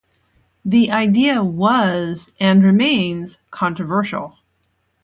The idea was, and remains, controversial.